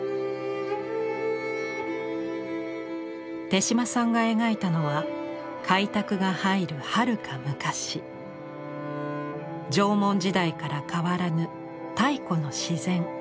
手島さんが描いたのは開拓が入るはるか昔「縄文時代」から変わらぬ太古の自然。